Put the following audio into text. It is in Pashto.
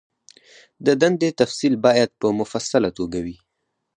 د دندې تفصیل باید په مفصله توګه وي.